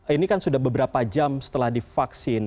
ini kan sudah beberapa jam setelah divaksin